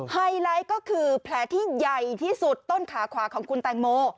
ไฮไลท์ก็คือแผลที่ใหญ่ที่สุดต้นขาขวาของคุณแตงโม